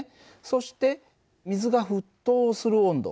そして水が沸騰する温度